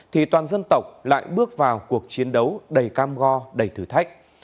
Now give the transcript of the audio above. thì toàn dân tộc lại bước vào cuộc chiến đấu đầy cam go đầy thử thách